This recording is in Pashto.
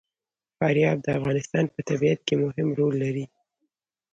فاریاب د افغانستان په طبیعت کې مهم رول لري.